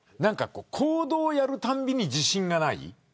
行動するたびに自信がない。